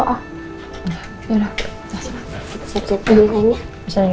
yaudah kita siap siap doainannya